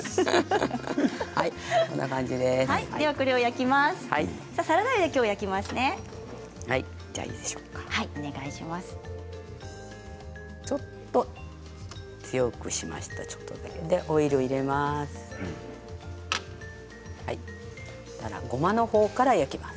そうしたらごまのほうから焼きます。